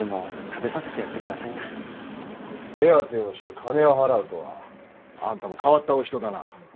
手当てをして金を払うとは。あんたも変わったお人だな。